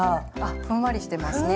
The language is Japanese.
ふんわりしてますね。